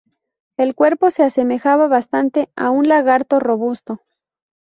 El cuerpo se asemejaba bastante a un lagarto robusto.